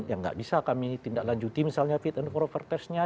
yang nggak bisa kami tindak lanjuti misalnya fit and proper testnya